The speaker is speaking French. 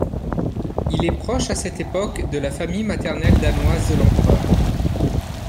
Il est proche à cette époque de la famille maternelle danoise de l'empereur.